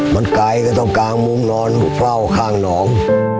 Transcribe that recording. มันไกลก็ต้องกลางมุมนอนเฝ้าข้างหนอง